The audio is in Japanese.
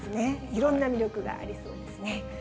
いろんな魅力がありそうですね。